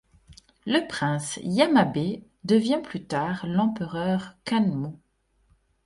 Le prince Yamabe devient plus tard l'empereur Kanmu.